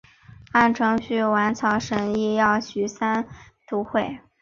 按程序宪草审议要举行三读会。